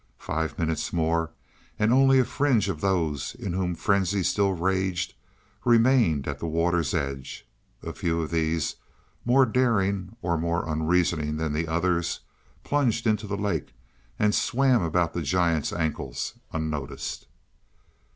Five minutes more and only a fringe of those in whom frenzy still raged remained at the water's edge; a few of these, more daring, or more unreasoning than the others, plunged into the lake and swam about the giants' ankles unnoticed.